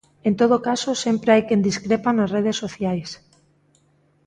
En todo caso sempre hai quen discrepa nas redes sociais.